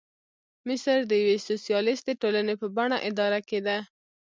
مصر د یوې سوسیالیستي ټولنې په بڼه اداره کېده.